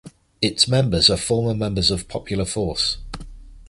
Its members are former members of Popular Force.